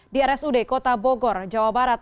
di rsud kota bogor jawa barat